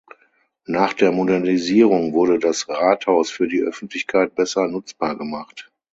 Nach der Modernisierung wurde das Rathaus für die Öffentlichkeit besser nutzbar gemacht.